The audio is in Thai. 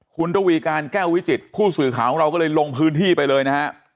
คุณระวีการแก้ววิจิตผู้สื่อข่าวของเราก็เลยลงพื้นที่ไปเลยนะฮะ